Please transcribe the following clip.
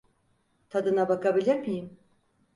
Tadına bakabilir miyim?